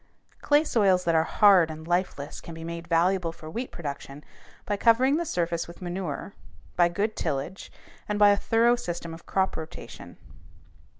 Clay soils that are hard and lifeless can be made valuable for wheat production by covering the surface with manure, by good tillage, and by a thorough system of crop rotation.